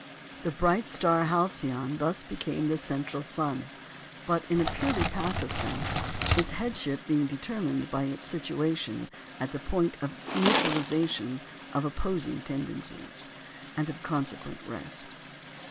The bright star Alcyone thus became the "central sun," but in a purely passive sense, its headship being determined by its situation at the point of neutralisation of opposing tendencies, and of consequent rest.